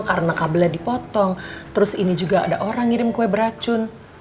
karena kabelnya dipotong terus ini juga ada orang ngirim kue beracun